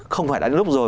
không phải đã đến lúc rồi